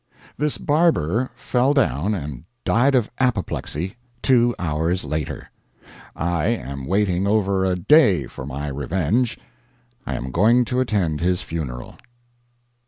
This barber fell down and died of apoplexy two hours later. I am waiting over a day for my revenge I am going to attend his funeral.